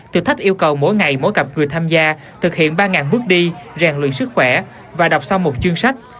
thử thách yêu cầu mỗi ngày mỗi cặp người tham gia thực hiện ba bước đi rèn luyện sức khỏe và đọc sau một chương sách